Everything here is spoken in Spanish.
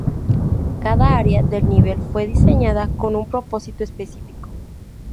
Cada área del nivel fue diseñada con un propósito específico.